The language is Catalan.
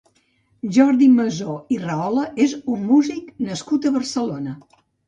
Jordi Masó i Rahola és un músic nascut a Barcelona.